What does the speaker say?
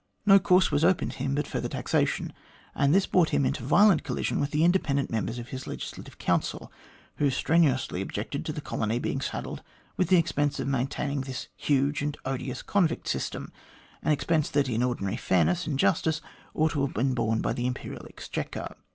No course was open to him but further taxation, and this brought him into violent collision with the independent members of his Legislative Council, who strenuously objected to the colony being saddled with the expense of maintaining this huge and odious convict system an expense that in ordinary fairness and justice ought to have been borne by the Imperial Exchequer.